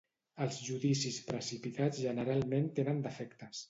Els judicis precipitats generalment tenen defectes.